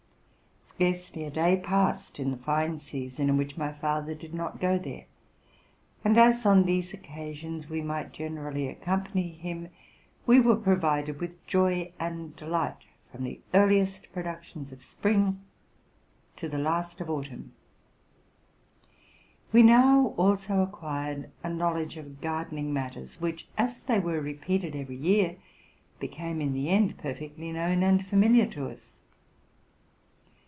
Searcely a day passed in the fine season in which my father did no' go there; and as on these occasions we might generally accompany him, we were provided with joy and delight fron the earliest productions of spring to the last of autumn. We now also acquired a knowledge of gardening matters. which, as they were repeated every year, became in the end perfectly known and familiar to us.